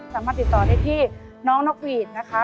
สามารถติดต่อได้ที่น้องนกหวีดนะคะ